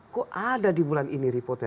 kok ada di bulan ini reportnya